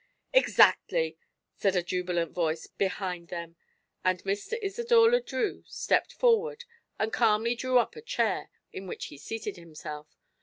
"Exactly!" said a jubilant voice behind them, and Mr. Isidore Le Drieux stepped forward and calmly drew up a chair, in which he seated himself.